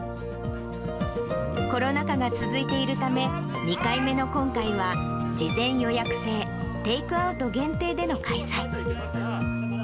コロナ禍が続いているため、２回目の今回は、事前予約制、テイクアウト限定での開催。